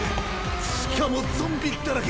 地下もゾンビだらけ。